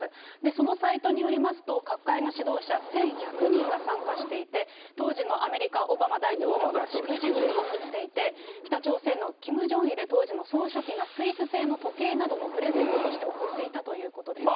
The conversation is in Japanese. そのサイトによりますと、各界の指導者１１００人が参加していて、当時のアメリカ、オバマ大統領が祝辞を送って、北朝鮮のキム・ジョンイル当時の総書記がスイス製の時計などもプレゼントとして送っていたということです。